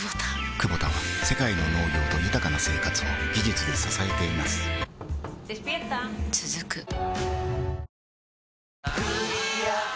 クボタは世界の農業と豊かな生活を技術で支えています起きて。